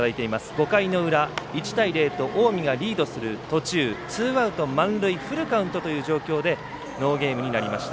５回の裏、１対０と近江がリードする途中ツーアウト満塁フルカウントという状態でノーゲームということになりました。